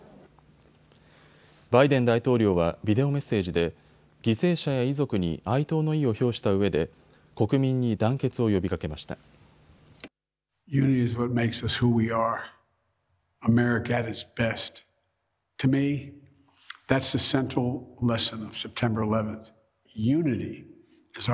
バイデン大統領はビデオメッセージで犠牲者や遺族に哀悼の意を表したうえで国民に団結を呼びかけました。